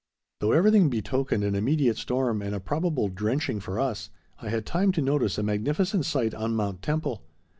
Though everything betokened an immediate storm and a probable drenching for us, I had time to notice a magnificent sight on Mount Temple.